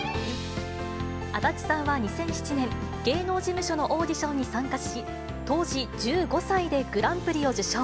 足立さんは２００７年、芸能事務所のオーディションに参加し、当時１５歳でグランプリを受賞。